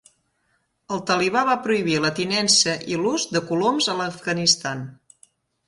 El talibà va prohibir la tinença i l'ús de coloms a l'Afganistan.